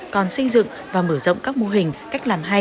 còn xây dựng và mở rộng các mô hình cách làm hay